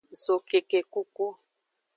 Zokekekuku.